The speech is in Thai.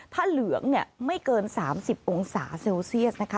ถ้าเหลืองไม่เกิน๓๐องศาเซลเซียสนะคะ